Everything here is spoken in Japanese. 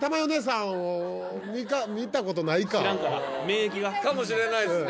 知らんから免疫が。かもしれないですね。